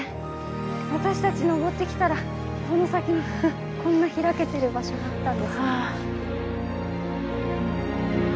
私たち登ってきたらその先にこんな開けてる場所があったんですね。